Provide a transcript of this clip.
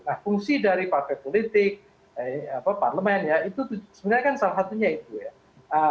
nah fungsi dari partai politik parlemen ya itu sebenarnya kan salah satunya itu ya